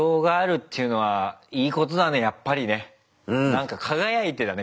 なんか輝いてたね